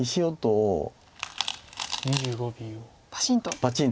パシンと。